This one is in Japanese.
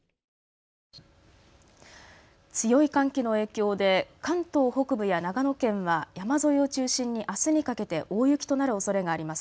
強い寒気の影響で関東北部や長野県は山沿いを中心にあすにかけて大雪となるおそれがあります。